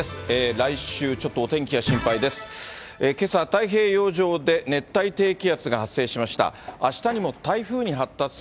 来週、ちょっとお天気が心配です。